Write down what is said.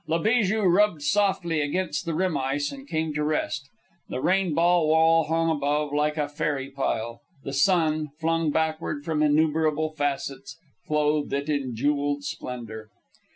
La Bijou rubbed softly against the rim ice and came to rest. The rainbow wall hung above like a fairy pile; the sun, flung backward from innumerable facets, clothed it in jewelled splendor.